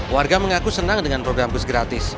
warga mengaku senang dengan program bus gratis